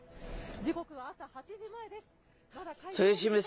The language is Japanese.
時刻は朝８時前です。